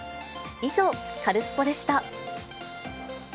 以上、カルスポっ！でした。